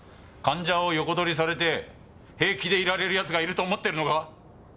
患者を横取りされて平気でいられる奴がいると思ってるのか！？